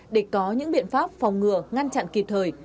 để có những biện pháp phòng ngừa ngăn chặn kịp thời